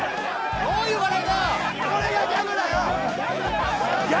どういう笑いだよ！